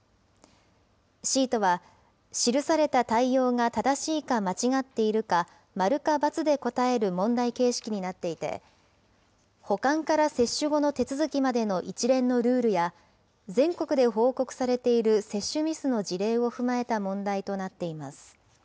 シートは記された対応が正しいか間違っているか、マルかバツで答える問題形式になっていて、保管から接種後の手続きまでの一連のルールや、全国で報告されている接種ミスの事例を踏まえた問題となっています。